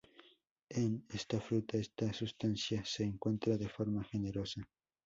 En esta fruta, esta sustancia se encuentra de forma generosa.